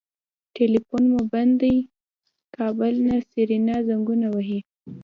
ټليفون مو بند دی کابل نه سېرېنا زنګونه وهي.